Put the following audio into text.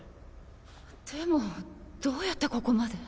でもどうやってここまで？